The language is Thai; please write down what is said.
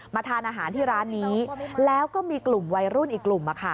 ทานอาหารที่ร้านนี้แล้วก็มีกลุ่มวัยรุ่นอีกกลุ่ม